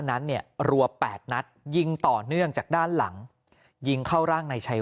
นั้นเนี่ยรัวแปดนัดยิงต่อเนื่องจากด้านหลังยิงเข้าร่างนายชัย